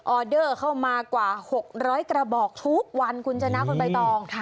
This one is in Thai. อเดอร์เข้ามากว่า๖๐๐กระบอกทุกวันคุณชนะคุณใบตอง